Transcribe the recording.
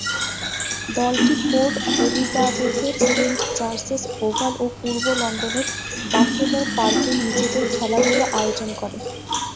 দলটি পোর্ট এলিজাবেথের St George's Oval ও পূর্ব লন্ডনের বাফেলো পার্কে নিজেদের খেলাগুলো আয়োজন করে।